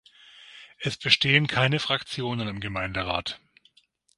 Es bestehen keine Fraktionen im Gemeinderat.